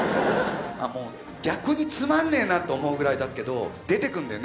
ああもう逆につまんねえなと思うぐらいだけど出てくんだよね